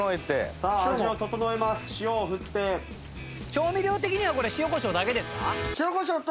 調味料的にはこれ塩胡椒だけですか？